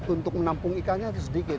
untuk menampung ikannya sedikit